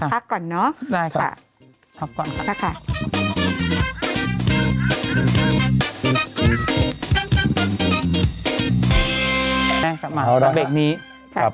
พักก่อนเนอะพักก่อนค่ะได้ค่ะพักก่อนค่ะ